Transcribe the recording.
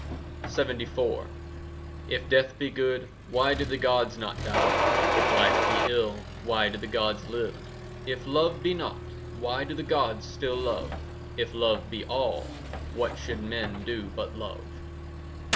LXXIV If death be good, Why do the gods not die? If life be ill, Why do the gods still live? If love be naught, 5 Why do the gods still love? If love be all, What should men do but love?